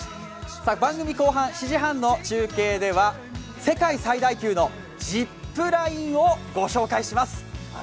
番組後半、７時半の中継では世界最大級のジップラインをご紹介します。